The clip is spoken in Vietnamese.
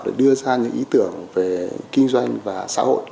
để đưa ra những ý tưởng về kinh doanh và xã hội